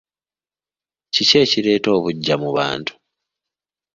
Ki ekireetera obuggya mu bantu?